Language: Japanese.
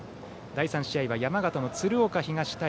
第３試合は山形の鶴岡東対